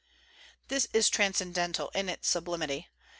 This is transcendental in its sublimity.